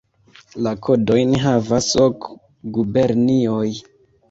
La kodojn havas ok gubernioj.